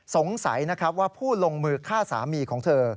สงสัยนะครับว่าผู้ลงมือฆ่าสามีของเธอ